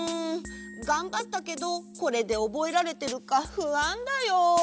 がんばったけどこれでおぼえられてるかふあんだよ。